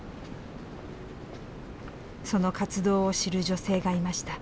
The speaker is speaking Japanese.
その活動を知る女性がいました。